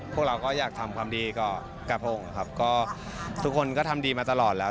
พวกเราก็อยากทำความดีกับคนที่ทำดีมาตลอดแล้ว